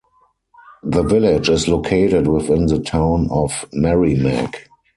The village is located within the Town of Merrimac.